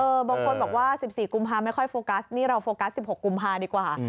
บางคนบอกว่า๑๔กุมภาไม่ค่อยโฟกัสนี่เราโฟกัส๑๖กุมภาดีกว่า